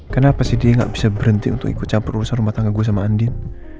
kenapa sih dia nggak bisa berhenti untuk ikut campur urusan rumah tangga gue sama andin